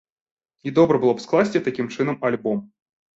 І добра было б скласці такім чынам альбом.